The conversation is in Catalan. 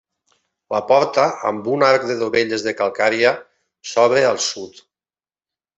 La porta, amb un arc de dovelles de calcària, s'obre al sud.